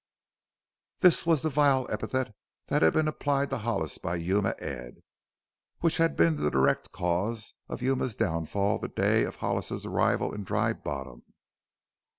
This was the vile epithet that had been applied to Hollis by Yuma Ed, which had been the direct cause of Yuma's downfall the day of Hollis's arrival in Dry Bottom.